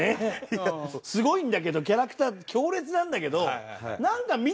すごいんだけどキャラクター強烈なんだけど。